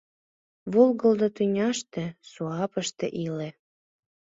Волгыдо тӱняште, суапыште иле!